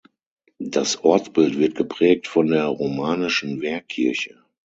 Das Ortsbild wird geprägt von der romanischen Wehrkirche.